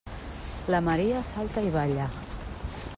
La Maria salta i balla.